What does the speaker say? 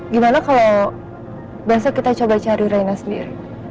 gimana kalau biasa kita coba cari rena sendiri